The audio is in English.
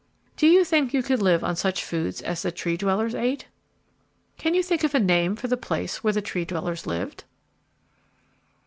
Do you think you could live on such foods as the Tree dwellers ate? Can you think of a name for the place where the Tree dwellers lived?